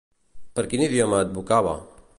Per quin idioma advocava?